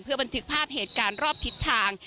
บันทึกภาพเหตุการณ์รอบทิศทาง